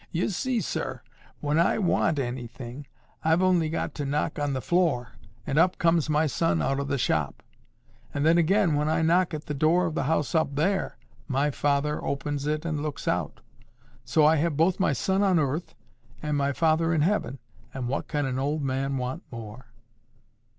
"You see, sir, when I want anything, I've only got to knock on the floor, and up comes my son out of the shop. And then again, when I knock at the door of the house up there, my Father opens it and looks out. So I have both my son on earth and my Father in heaven, and what can an old man want more?"